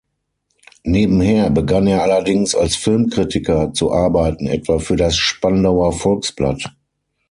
Nebenher begann er allerdings als Filmkritiker zu arbeiten, etwa für das "Spandauer Volksblatt".